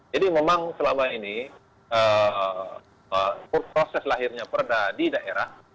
jadi memang selama ini proses lahirnya perda di daerah